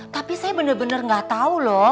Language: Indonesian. tapi saya bener bener gak tau loh